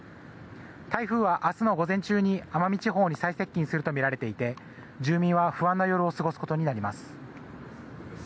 台風は明日の午前中に奄美地方に最接近するとみられていて住民は不安な夜を過ごすことになります。